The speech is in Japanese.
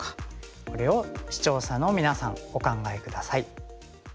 これを視聴者のみなさんお考え下さい。